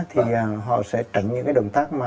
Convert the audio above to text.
thì họ sẽ tránh những cái động tác